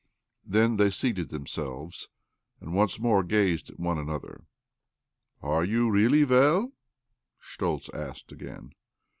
Then they seated themselves, and once mt)re gazed at one another. "Are you really well}" Schtoltz asked again.